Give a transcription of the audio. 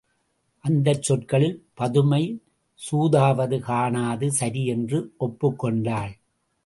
அந்தச் சொற்களில் பதுமை சூதுவாது காணாது சரி என்று ஒப்புக்கொண்டாள்.